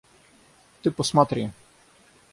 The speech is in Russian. Ты посмотри.